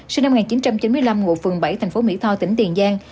sinh năm một nghìn chín trăm chín mươi năm ngụ phường bảy thành phố mỹ tho tỉnh tiền giang